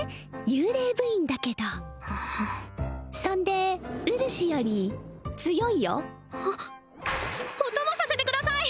幽霊部員だけどそんでうるしより強いよお供させてください！